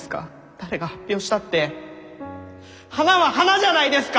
誰が発表したって花は花じゃないですか！